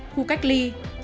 khu cách ly